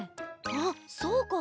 あっそうか。